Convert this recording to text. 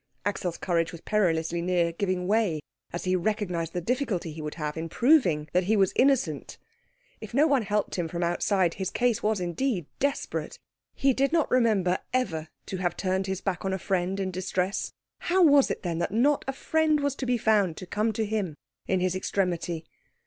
Axel's courage was perilously near giving way as he recognised the difficulty he would have in proving that he was innocent. If no one helped him from outside, his case was indeed desperate. He did not remember ever to have turned his back on a friend in distress; how was it, then, that not a friend was to be found to come to him in his extremity?